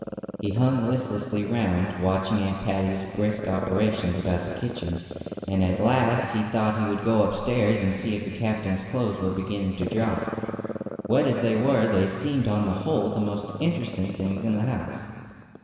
He hung listlessly round, watching Aunt Patty's brisk operations about the kitchen, and at last he thought he would go upstairs and see if the captain's clothes were beginning to dry. Wet as they were, they seemed on the whole the most interesting things in the house.